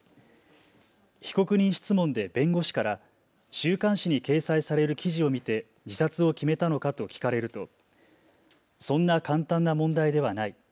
被告人質問で弁護士から週刊誌に掲載される記事を見て自殺を決めたのかと聞かれるとそんな簡単な問題ではない。